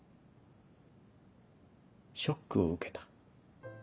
ショックを受けた。